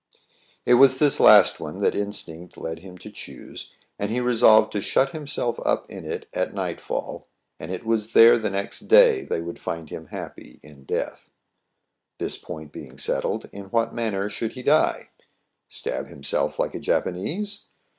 It was this last one that instinct led him to choose, and he resolved to shut himself up in it at night fall ; and it was there next day they would find him happy in death. This point being settled, in what manner should he die } Stab himself like a Japanese.